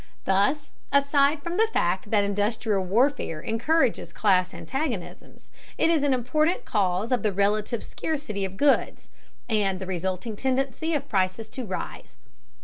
Thus aside from the fact that industrial warfare encourages class antagonisms, it is an important cause of the relative scarcity of goods, and the resulting tendency of prices to rise.